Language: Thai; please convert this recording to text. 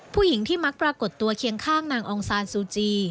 ผู้หญิงที่มักปรากฏตัวเคียงข้างนางองซานซูจี